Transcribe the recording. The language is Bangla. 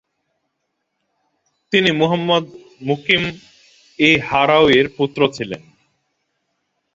তিনি মুহাম্মদ মুকিম ই হারাওয়ির পুত্র ছিলেন।